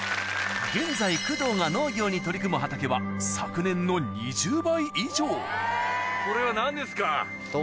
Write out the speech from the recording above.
現在工藤が農業に取り組む畑は昨年の２０倍以上これは何ですか？